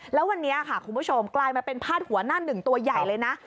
แล้ววันนี้ค่ะคุณผู้ชมกลายมาเป็นพาดหัวหน้าหนึ่งตัวใหญ่เลยนะ